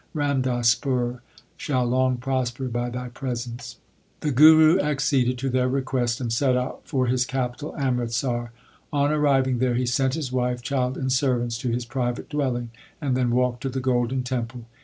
Ramdaspur shall long prosper by thy presence. The Guru acceded to their request, and set out for his capital Amritsar. On arriving there he sent his wife, child, and servants to his private dwelling, and then walked to the Golden Temple.